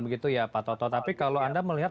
begitu ya pak toto tapi kalau anda melihat